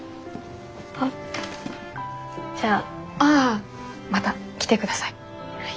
あじゃあ。ああまた来てください。